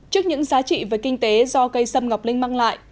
trước những giá trị về kinh tế do cây sâm ngọc linh mang lại